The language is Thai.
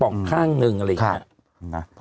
อกข้างหนึ่งอะไรอย่างนี้